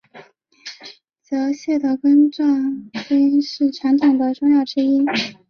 泽泻的根状茎是传统中药之一。